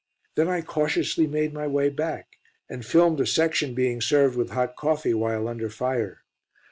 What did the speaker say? Then I cautiously made my way back, and filmed a section being served with hot coffee while under fire.